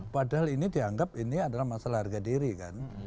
padahal ini dianggap ini adalah masalah harga diri kan